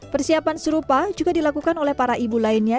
persiapan serupa juga dilakukan oleh para ibu lainnya